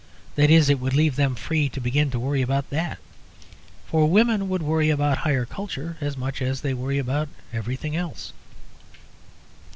That is, it would leave them free to begin to worry about that. For women would worry about higher culture as much as they worry about everything else.